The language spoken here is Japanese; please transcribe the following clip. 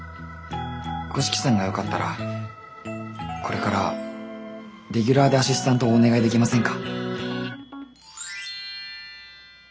五色さんがよかったらこれからレギュラーでアシスタントをお願いできませんか？